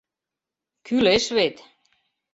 Кӱлеш вет!